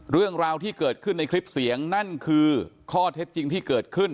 เรื่องราวที่เกิดขึ้นในคลิปเสียงนั่นคือข้อเท็จจริงที่เกิดขึ้น